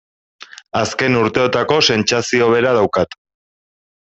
Azken urteotako sentsazio bera daukat.